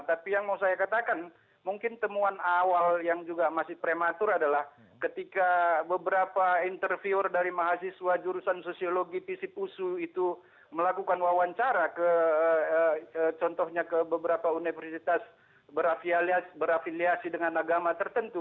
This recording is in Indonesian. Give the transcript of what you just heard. tapi yang mau saya katakan mungkin temuan awal yang juga masih prematur adalah ketika beberapa interviewer dari mahasiswa jurusan sosiologi visi pusu itu melakukan wawancara ke contohnya ke beberapa universitas berafiliasi dengan agama tertentu